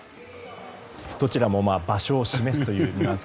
どちらも場所を示すというニュアンス。